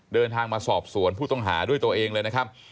เดินทางมาสอบสวนผู้ต้องหาด้วยตัวเองเลยนะครับ